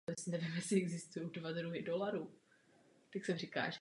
George Weston se rozhodne vzít dceru do továrny na výrobu robotů.